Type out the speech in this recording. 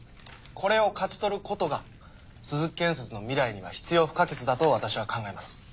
これを勝ち取ることが鈴木建設の未来には必要不可欠だと私は考えます。